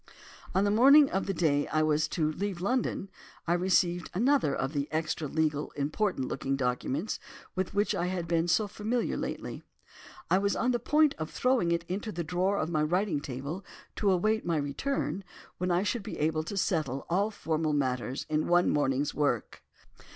On the morning of the day on which I was to leave London, I received another of the extra legal, important looking documents, with which I had been so familiar lately. I was on the point of throwing it into the drawer of my writing table to await my return when I should be able to settle all formal matters in one morning's work.